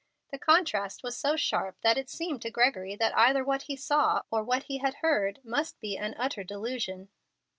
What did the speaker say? The contrast was so sharp that it seemed to Gregory that either what he saw or what he had heard must be an utter delusion.